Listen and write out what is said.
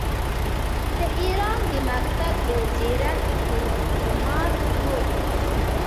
د ایران د مکتب یو ځیرک ډیپلوماټ وو.